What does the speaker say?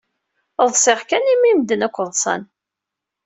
Ḍsiɣ kan imi medden akk ḍsan.